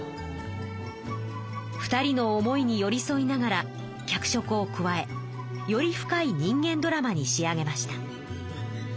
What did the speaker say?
２人の思いに寄りそいながら脚色を加えより深い人間ドラマに仕上げました。